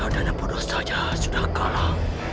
dana bodoh saja sudah kalah